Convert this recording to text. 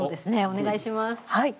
お願いします。